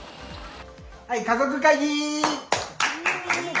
はい、家族会議！